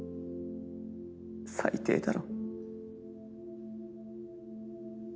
最低だろ。